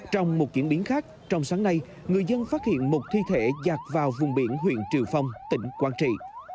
trong một diễn biến khác trong sáng nay người dân phát hiện một thi thể giặt vào vùng biển huyện triều phong tỉnh quang trị